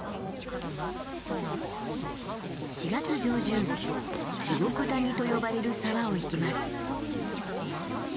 ４月上旬地獄谷と呼ばれる沢を行きます。